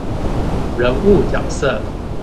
人物角色